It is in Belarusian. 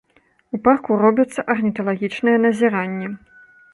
У парку робяцца арніталагічныя назіранні.